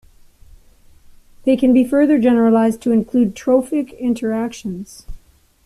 They can be further generalised to include trophic interactions.